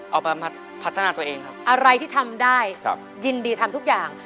เอามาพัฒนาตัวเองครับอะไรที่ทำได้ยินดีทำทุกอย่าง